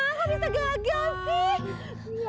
harusnya gagal sih